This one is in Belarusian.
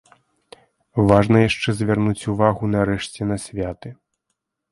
Важна яшчэ звярнуць увагу нарэшце на святы.